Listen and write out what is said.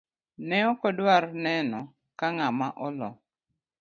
Ne okodwar neno ka ng'ama olo.